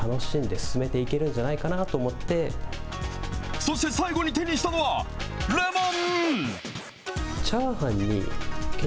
そして最後に手にしたのは、レモン。